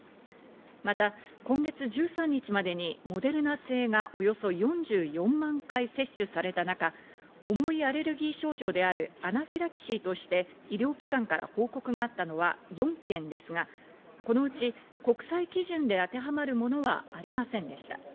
また、今月１３日までにモデルナ製がおよそ４４万回接種された中、重いアレルギー症状であるアナフィラキシーとして医療機関から報告があったのは４件ですが、このうち国際基準で当てはまるものはありませんでした。